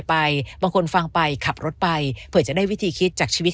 ไปบางคนฟังไปขับรถไปเผื่อจะได้วิธีคิดจากชีวิต